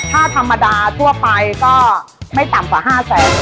ถ้าทำมดาตัวไปไม่ต่ำกว่า๕แสง